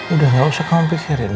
udah gak usah kamu pikirin